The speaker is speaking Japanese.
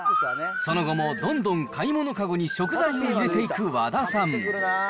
その後も、どんどん買い物籠に食材を入れていく和田さん。